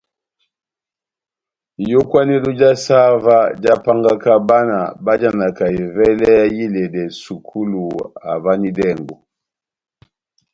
Iyókwanedo já saha óvah jahápángaka bána bájanaka evɛlɛ yá iledɛ sukulu havanidɛngo.